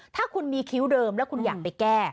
ถ้าคุณมีคิ้วเดิมแล้วคุณอยากไปแก้